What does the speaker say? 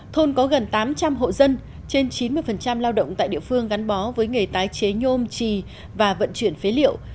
thôn có gần tám trăm linh hộ dân trên chín mươi lao động tại địa phương gắn bó với nghề tái chế nhôm trì và vận chuyển phế liệu